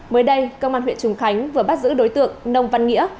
mới đây công an huyện trùng khánh vừa bắt giữ đối tượng nông văn nghĩa